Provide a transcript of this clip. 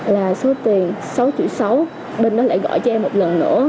là số tiền sáu triệu sáu bên đó lại gọi cho em một lần nữa